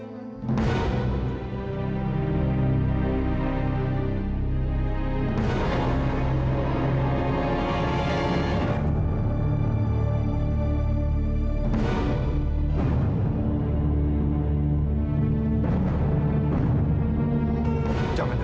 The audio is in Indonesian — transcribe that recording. dia akan lemah manusia